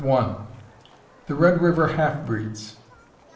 _The Red River half breeds.